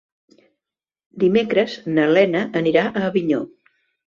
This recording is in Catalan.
Dimecres na Lena anirà a Avinyó.